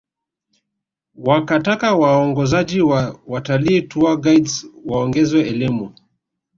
Wakataka waongozaji wa watalii tour guides waongezewe elimu